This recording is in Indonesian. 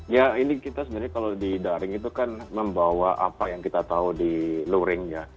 ya ini kita sebenarnya kalau di daring itu kan membawa apa yang kita tahu di luring ya